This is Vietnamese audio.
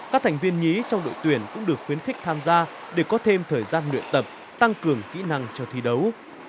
các thành viên nhí trong đội tuyển cũng được khuyến khích tham gia để có thêm thời gian luyện tập tăng cường kỹ năng cho thi đấu